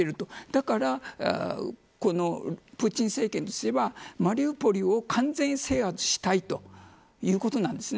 だからこのプーチン政権にすればマリウポリを完全制圧したいということなんです。